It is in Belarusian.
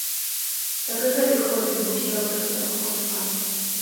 Так і гэты хлапец быў сярод гэтага гуртка.